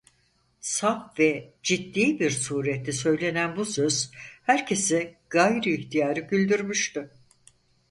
Saf ve ciddi bir surette söylenen bu söz herkesi gayri ihtiyari güldürmüştü.